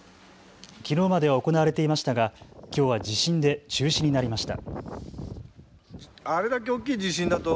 きのうまでは行われていましたがきょうは地震で中止になりました。